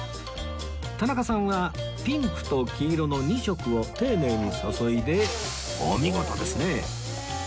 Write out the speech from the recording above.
田中さんはピンクと黄色の２色を丁寧に注いでお見事ですね